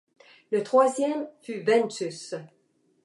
Le troisième fut Ventus.